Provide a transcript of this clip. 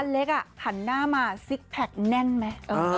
เล็กหันหน้ามาซิกแพคแน่นไหม